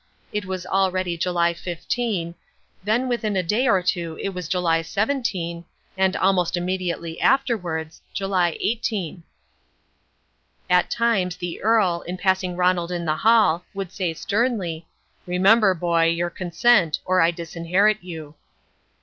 It was already July 15, then within a day or two it was July 17, and, almost immediately afterwards, July 18. At times the Earl, in passing Ronald in the hall, would say sternly, "Remember, boy, your consent, or I disinherit you."